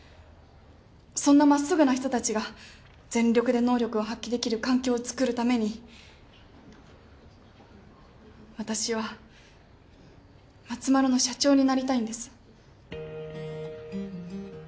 そんなまっすぐな人たちが全力で能力を発揮できる環境を作るために私はまつまるの社長になりたいんです。